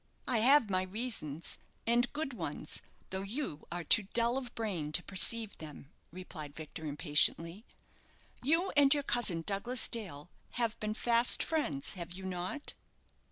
"I have my reasons, and good ones, though you are too dull of brain to perceive them," replied Victor, impatiently. "You and your cousin, Douglas Dale, have been fast friends, have you not?"